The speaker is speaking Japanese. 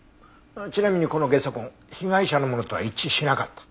ちなみにこの下足痕被害者のものとは一致しなかった。